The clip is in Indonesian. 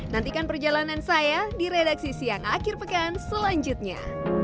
nantikan perjalanan saya di redaksi siang akhir pekan selanjutnya